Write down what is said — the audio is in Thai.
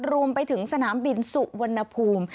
รวมไปถึงสนามบินสุวรรณภูมิ